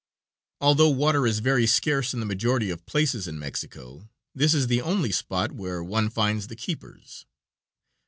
Although water is very scarce in the majority of places in Mexico, this is the only spot where one finds the keepers.